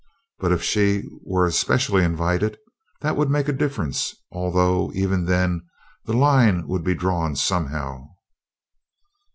But if she were especially invited? That would make a difference, although even then the line would be drawn somehow.